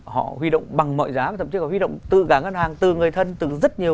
họ huy động bằng mọi giá và thậm chí họ huy động từ cả ngân hàng từ người thân từ rất nhiều